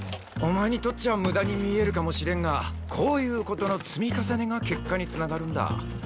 お前にとっちゃ無駄に見えるかもしれんがこういう事の積み重ねが結果に繋がるんだ。